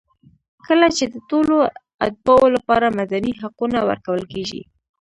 کله چې د ټولو اتباعو لپاره مدني حقونه ورکول کېږي.